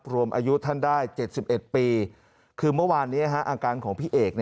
รวมอายุท่านได้๗๑ปีคือเมื่อวานนี้อาการของพี่เอก